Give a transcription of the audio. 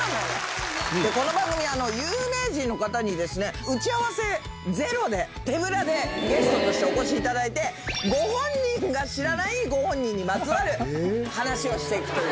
この番組は、有名人の方に、打ち合わせゼロで、手ぶらでゲストとしてお越しいただいて、ご本人が知らないご本人にまつわる話をしていくという。